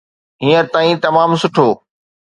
هينئر تائين تمام سٺو.